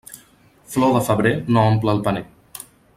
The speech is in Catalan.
Flor de febrer no omple el paner.